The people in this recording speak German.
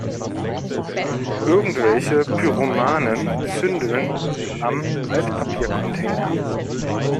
Irgendwelche Pyromanen zündeln am Altpapiercontainer.